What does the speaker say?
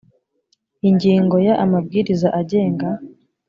ingingo ya amabwiriza agenga